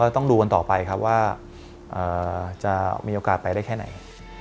ต้องดูกันต่อไปครับว่าจะมีโอกาสไปได้แค่ไหน